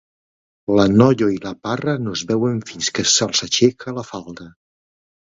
La noia i la parra no es veuen fins que se'ls aixeca la falda.